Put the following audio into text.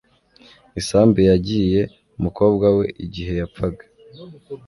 Isambu yagiye umukobwa we igihe yapfaga